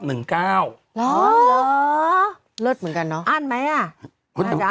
เหรอเลิศเหมือนกันเนอะอั้นไหมอ่ะ